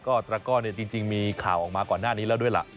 ก็ตระก้อนจริงมีข่าวออกมาก่อนหน้านี้แล้วด้วยล่ะ